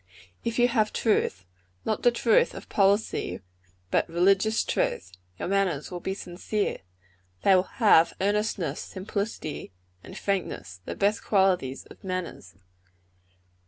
"If you have truth not the truth of policy, but religious truth your manners will be sincere. They will have earnestness, simplicity and frankness the best qualities of manners.